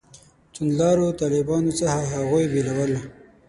توندلارو طالبانو څخه هغوی بېلول.